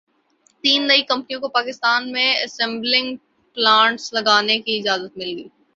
تین نئی کمپنیوں کو پاکستان میں اسمبلنگ پلانٹس لگانے کی اجازت مل گئی